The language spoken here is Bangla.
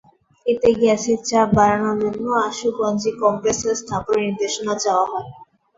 এতে গ্যাসের চাপ বাড়ানোর জন্য আশুগঞ্জে কমপ্রেসার স্থাপনের নির্দেশনা চাওয়া হয়।